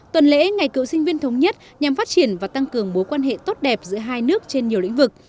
tuần lễ ngày cựu sinh viên thống nhất nhằm phát triển và tăng cường mối quan hệ tốt đẹp giữa hai nước trên nhiều lĩnh vực